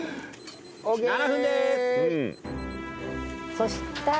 そしたら。